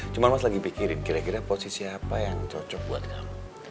cuma mas lagi pikirin kira kira posisi apa yang cocok buat kamu